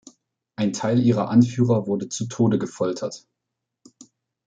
Ein Teil ihrer Anführer wurde zu Tode gefoltert.